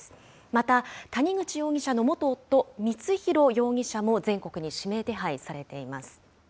また、谷口容疑者の元夫、光弘容疑者も全国に指名手配されています。